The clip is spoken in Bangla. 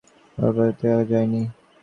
ওপর থেকে তাঁকে দেখা যায় নি।